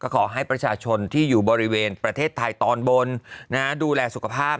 ขอให้ประชาชนที่อยู่บริเวณประเทศไทยตอนบนดูแลสุขภาพ